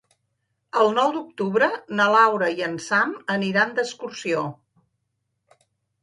El nou d'octubre na Laura i en Sam aniran d'excursió.